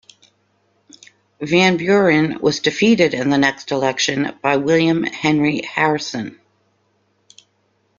Van Buren was defeated in the next election by William Henry Harrison.